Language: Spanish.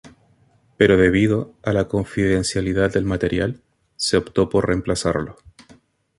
Pero debido a la confidencialidad del material, se optó por reemplazarlo.